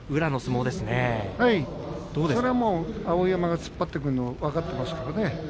それはもう碧山が突っ張ってくるの分かっていますからね。